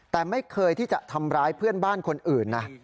แต่ไม่เคยที่จะทำร้ายเพื่อนบ้านคนอื่นนะ